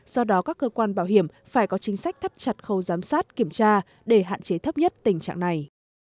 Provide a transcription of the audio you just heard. do đó các cơ quan bảo hiểm phải có chính sách thắt chặt khâu giám sát kiểm tra để hạn chế thấp nhất tình trạng này